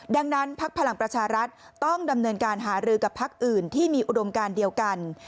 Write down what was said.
ดังนั้นพักพลังประชารัฐต้องดำเนินการหารือกับพักอื่นที่มีอุดมการเดียวกัน